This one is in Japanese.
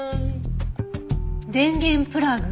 電源プラグ？